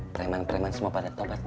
preman preman semua pada tobat mak